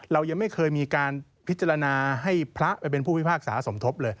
เรายังไม่เคยมีการพิจารณาให้พระไปเป็นผู้พิพากษาสมทบเลย